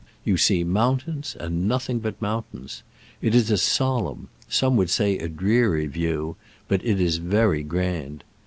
You see mountains, and nothing but mountains. It is a solemn — some would say a dreary — view, but it is very grand.